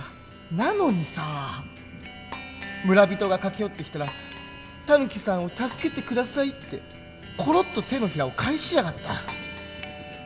なのにさ村人が駆け寄ってきたら「タヌキさんを助けて下さい」ってコロッと手のひらを返しやがった。